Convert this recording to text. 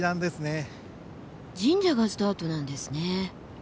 神社がスタートなんですね。